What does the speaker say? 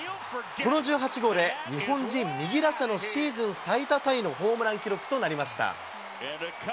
この１８号で日本人右打者のシーズン最多タイのホームラン記録となりました。